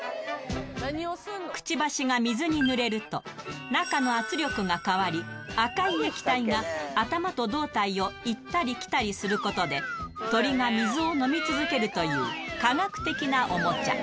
くちばしが水にぬれると、中の圧力が変わり、赤い液体が、頭と胴体を行ったり来たりすることで、鳥が水を飲み続けるという、科学的なおもちゃ。